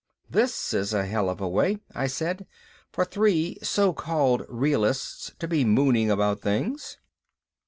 "This is a hell of a way," I said, "for three so called realists to be mooning about things."